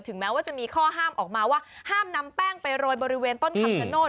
แม้ว่าจะมีข้อห้ามออกมาว่าห้ามนำแป้งไปโรยบริเวณต้นคำชโนธ